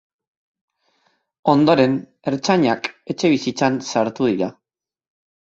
Ondoren, ertzainak etxebizitzan sartu dira.